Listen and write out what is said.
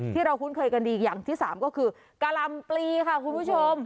คุ้นเคยกันดีอย่างที่สามก็คือกะลำปลีค่ะคุณผู้ชม